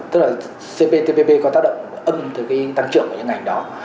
tức là cptpp có tác động âm từ cái tăng trưởng của những ngành đó